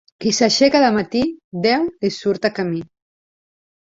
Qui s'aixeca de matí, Déu li surt a camí.